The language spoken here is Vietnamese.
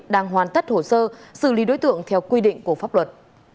đang hoàn tất hồ sơ xử lý đối tượng theo quy định của pháp luật